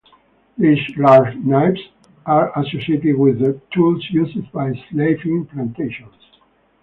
These large knives are associated with the tools used by slaves in plantations.